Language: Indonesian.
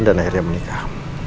dan akhirnya menikah